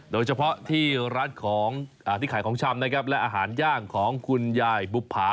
โดยเฉพาะที่ร้านของที่ขายของชำนะครับและอาหารย่างของคุณยายบุภา